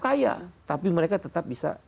kaya tapi mereka tetap bisa